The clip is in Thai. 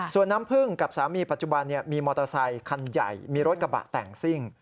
ส่วนน้ำพึ่งกับสามีปัจจุบันมีมอเตอร์ไซคันใหญ่มีรถกระบะแต่งซิ่ง